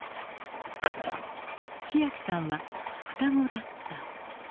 千彬さんは双子だった。